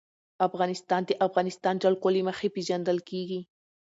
افغانستان د د افغانستان جلکو له مخې پېژندل کېږي.